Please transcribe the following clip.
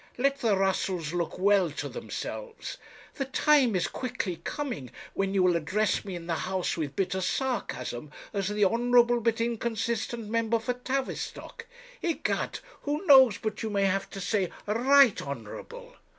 Let the Russells look well to themselves. The time is quickly coming when you will address me in the House with bitter sarcasm as the honourable but inconsistent member for Tavistock; egad, who knows but you may have to say Right Honourable?'